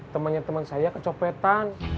temannya teman saya kecopetan